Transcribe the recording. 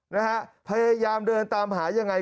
นะฮะพยายามเดินตามหายังไง